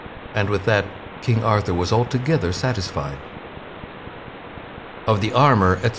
And with that, King Arthur was altogether satisfied. [Sidenote: Of the armor, etc.